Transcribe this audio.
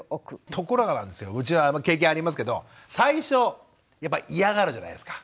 ところがなんですようちは経験ありますけど最初やっぱ嫌がるじゃないですか。